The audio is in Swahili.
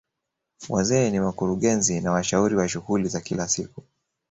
Wazee ni wakurugenzi na washauri wa shughuli za kila siku